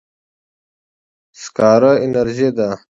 سکاره انرژي ده.